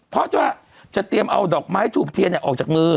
เพราะจะเตรียมเอาดอกไม้ถูกเทียนออกจากมือ